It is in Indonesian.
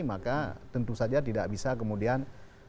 maka tentu saja tidak bisa kemudian